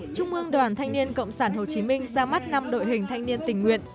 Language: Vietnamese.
trung mương đoàn thanh niên cộng sản hồ chí minh ra mắt năm đội hình thanh niên tình nguyện